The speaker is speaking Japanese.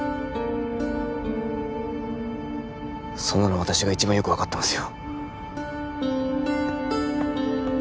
そんなの私が一番よく分かってますよ